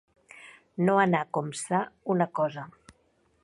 No anar com ça una cosa.